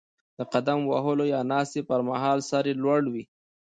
د قدم وهلو یا ناستې پر مهال سر یې لوړ وي.